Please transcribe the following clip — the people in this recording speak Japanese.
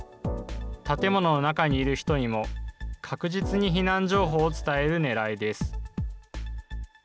建物の中にいる人にも確実に避難情報を伝えるねらいです。